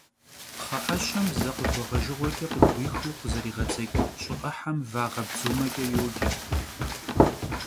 Пхъэӏэщэм зэ къыгуэгъэжыгъуэкӏэ къыгуихыу къызэригъэдзэкӏ щӏы ӏыхьэм вагъэбдзумэкӏэ йоджэ.